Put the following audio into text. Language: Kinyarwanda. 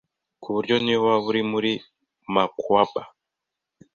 Kuburyo niyo waba uri mu makuaba